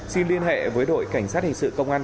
xin liên hệ với đội cảnh sát hình sự công an